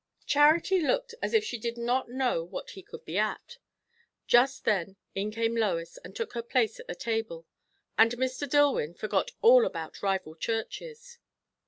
Charity looked as if she did not know what he would be at. Just then in came Lois and took her place at the table; and Mr. Dillwyn forgot all about rival churches.